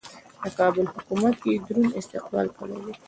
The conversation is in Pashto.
د کابل حکومت یې دروند استقبال کړی دی.